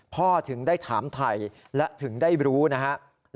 ถึงได้ถามไทยและถึงได้รู้นะครับ